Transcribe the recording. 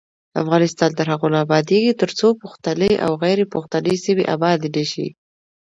افغانستان تر هغو نه ابادیږي، ترڅو پښتني او غیر پښتني سیمې ابادې نشي.